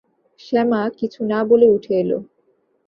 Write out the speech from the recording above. শ্যামা কিছু না বলে উঠে এল।